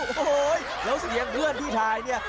โอ้โหแล้วเสียงเพื่อนที่ถ่ายเนี่ย